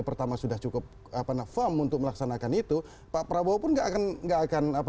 pertama sudah cukup apa namanya firm untuk melaksanakan itu pak prabowo pun nggak akan enggak akan apa